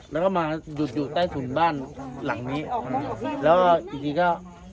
แล้วก็มาหยุดอยู่ใต้ถุนบ้านหลังนี้แล้วอีกทีก็